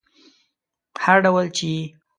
هر ډول چې یې